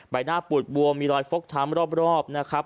ใบหน้าปูดบวมมีรอยฟกช้ำรอบนะครับ